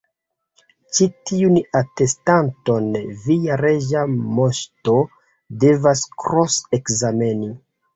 "Ĉi tiun atestanton via Reĝa Moŝto devas kros-ekzameni.